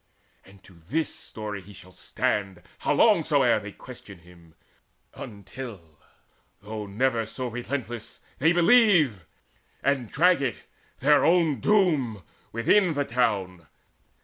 And to this story shall he stand, How long soe'er they question him, until, Though never so relentless, they believe, And drag it, their own doom, within the town.